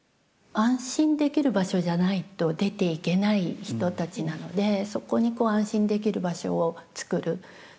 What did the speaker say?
安心できる場所じゃないと出ていけない人たちなのでそこに安心できる場所をつくる。